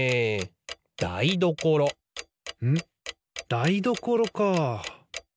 だいどころかあ。